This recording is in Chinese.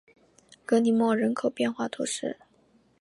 格里莫人口变化图示